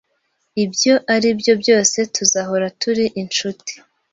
Ibyo aribyo byose, tuzahora turi inshuti